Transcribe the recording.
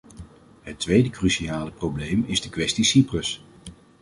Het tweede cruciale probleem is de kwestie-Cyprus.